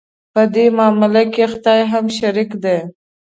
په دې معامله کې خدای هم شریک دی.